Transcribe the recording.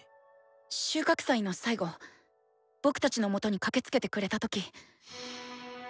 収穫祭の最後僕たちのもとに駆けつけてくれた時。